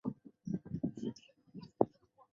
中华民国陆军上将。